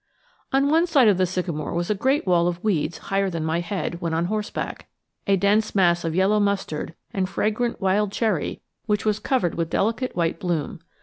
On one side of the sycamore was a great wall of weeds higher than my head when on horseback; a dense mass of yellow mustard, and fragrant wild celery which was covered with delicate white bloom.